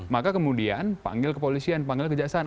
maka kemudian panggil kepolisian panggil kejaksaan